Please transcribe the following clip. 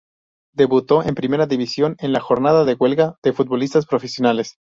Debutó en Primera División en la jornada de huelga de futbolista profesionales.